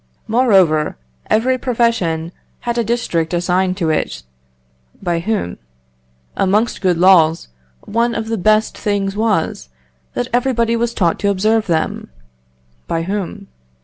Moreover, every profession had a district assigned to it (by whom?).... Amongst good laws, one of the best things was, that everybody was taught to observe them (by whom?).